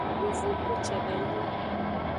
Yovogbu cede nyon.